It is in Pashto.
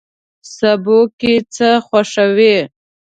سبو کی څه خوښوئ؟